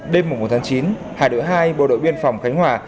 đêm một tháng chín hải đội hai bộ đội biên phòng khánh hòa